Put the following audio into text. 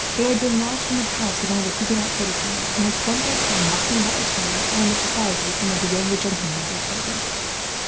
They had been lodged in the house of one of the Huguenot citizens, and had spent their time walking about the town, or in the society of some of the younger gentlemen of their party.